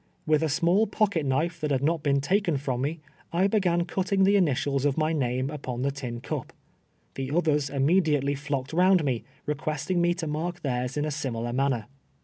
AVith a small pocket knife that had not heen taken from me, I l»eiJ!;an cuttini^ the initials uf my name ii])on the tin cup. The others immediately Hocked round nie, requestini^ nie to mark theirs in a similar manner.